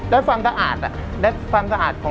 ได้ความสะอาด